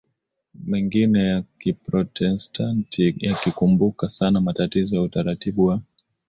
mengine ya Kiprotestanti yakikumbuka sana matatizo ya utaratibu wa